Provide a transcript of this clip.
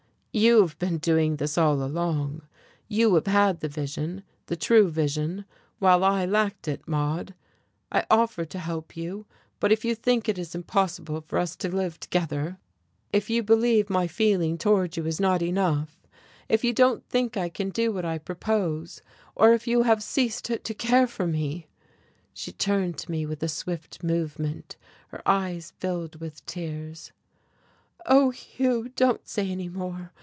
"You have been doing this all along, you have had the vision, the true vision, while I lacked it, Maude. I offer to help you. But if you think it is impossible for us to live together, if you believe my feeling toward you is not enough, if you don't think I can do what I propose, or if you have ceased to care for me " She turned to me with a swift movement, her eyes filled with tears. "Oh, Hugh, don't say any more.